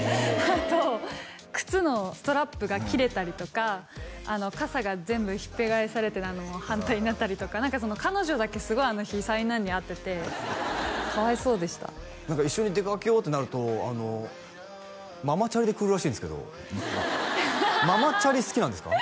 あと靴のストラップが切れたりとか傘が全部ひっぺがされて反対になったりとか彼女だけすごいあの日災難に遭っててかわいそうでした何か一緒に出かけようってなるとママチャリで来るらしいんですけどママチャリ好きなんですか？